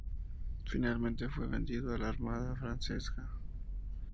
Finalmente fue vendido a la armada francesa.